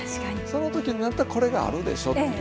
その時になったらこれがあるでしょという。